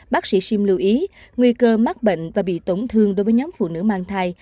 bác sĩ sim lưu ý nguy cơ mắc bệnh và bị tổn thương đối với nhóm phụ nữ mang thai